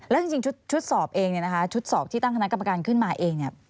แล้วจริงชุดสอบเองเนี่ยนะคะชุดสอบที่ตั้งคณะกรรมการขึ้นมาเองเนี่ย